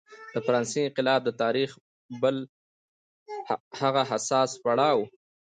د فرانسې انقلاب د تاریخ بل هغه حساس پړاو و.